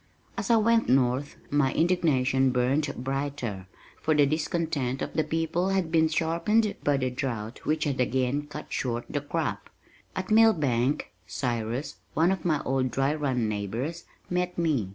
As I went north my indignation burned brighter, for the discontent of the people had been sharpened by the drought which had again cut short the crop. At Millbank, Cyrus, one of my old Dry Run neighbors, met me.